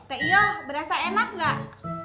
teh iya berasa enak gak